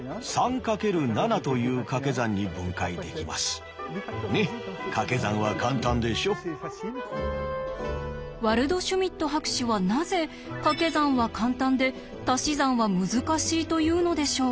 それを教えてくれるのはこちらワルドシュミット博士はなぜかけ算は簡単でたし算は難しいと言うのでしょう？